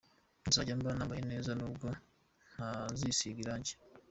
Nzajya mba nambaye neza nubwo ntazisiga irangi.